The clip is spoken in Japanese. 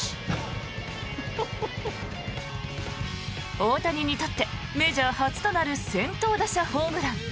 大谷にとってメジャー初となる先頭打者ホームラン。